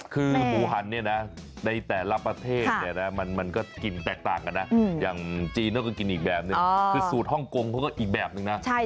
คือหมูหันเนี่ยนะในแต่ละประเทศเนี่ยนะมันก็กินแตกต่างกันนะอย่างจีนเขาก็กินอีกแบบนึงคือสูตรฮ่องกงเขาก็อีกแบบนึงนะ